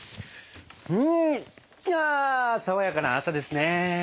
うんあ爽やかな朝ですね。